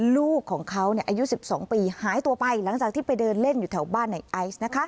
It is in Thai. ลูกของเขาอายุ๑๒ปีหายตัวไปหลังจากที่ไปเดินเล่นอยู่แถวบ้านในไอซ์นะคะ